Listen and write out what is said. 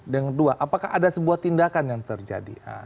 dengan dua apakah ada sebuah tindakan yang terjadi